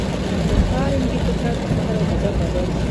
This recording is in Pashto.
د کارنګي فطرت پر قهر او غضب بدل شو